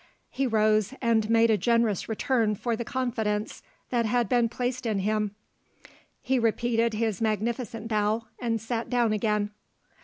He rose, and made a generous return for the confidence that had been placed in him he repeated his magnificent bow, and sat down again.